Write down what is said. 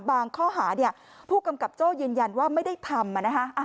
ข้อหาผู้กำกับโจ้ยืนยันว่าไม่ได้ทำ